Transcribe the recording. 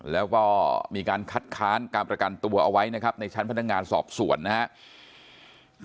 แล้วก็มีการคัดค้านการประกันตัวเอาไว้นะครับในชั้นพนักงานสอบสวนนะครับ